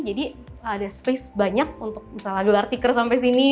jadi ada space banyak untuk misalnya gelar tikar sampai sini